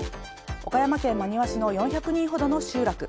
岡山県真庭市の４００人ほどの集落。